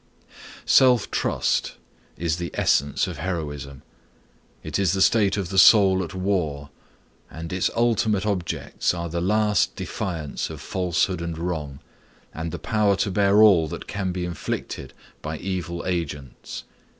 Self trust is the essence of heroism. It is the state of the soul at war, and its ultimate objects are the last defiance of falsehood and wrong, and the power to bear all that can be inflicted by evil agents.